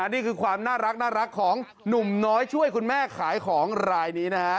นี่คือความน่ารักของหนุ่มน้อยช่วยคุณแม่ขายของรายนี้นะฮะ